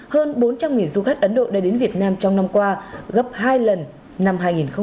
hơn bốn trăm linh du khách ấn độ đã đến việt nam trong năm qua gấp hai lần năm hai nghìn một mươi bảy